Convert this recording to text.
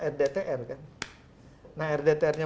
rdtr kan nah rdtrnya